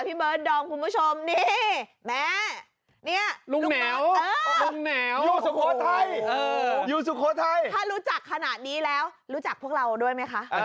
พี่เบิร์กดองคุณผู้ชม